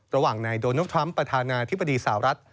ระหว่างนายโดนัลดทรัมป์ประธานาธิบดีสาวรัฐ